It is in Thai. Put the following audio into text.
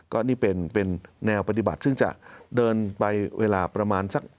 ก็นี่เป็นแนวปฏิบัติซึ่งจะเดินไปเวลาประมาณสัก